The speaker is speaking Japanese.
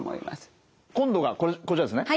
今度はこちらですね？